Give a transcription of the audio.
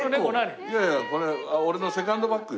いやいやこれセカンドバッグ。